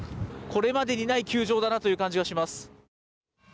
これまでにない球場だなという感じがします。